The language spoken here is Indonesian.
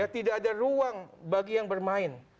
tidak ada ruang bagi yang bermain